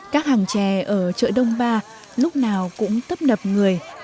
các hàng chè ở chợ đông ba lúc nào cũng tấp nập người